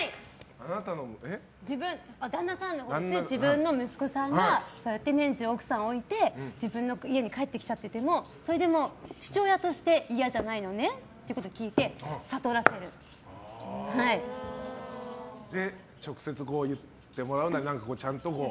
旦那さんに、自分の息子さんがそうやって年中、奥さんを置いて自分の家に帰ってきちゃっててもそれで、父親として嫌じゃないのねと聞いて直接、言ってもらうなりちゃんと？